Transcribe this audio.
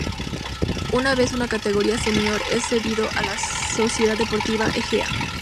Una vez en categoría senior es cedido a la Sociedad Deportiva Ejea.